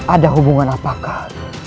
ada hubungan apakah